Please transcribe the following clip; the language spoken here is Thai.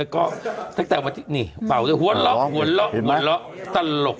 ก็ตั้งแต่วันอีกนี่เบาคือหวนล๊อกหวนล๊อกหวนล๊อกทันหลก